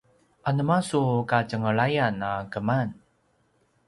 anema su katjengelayan a keman?